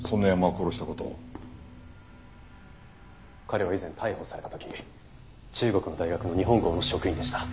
彼は以前逮捕された時中国の大学の日本校の職員でした。